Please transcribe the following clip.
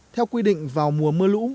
theo quy định vào mùa mưa lũ